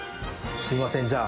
すいません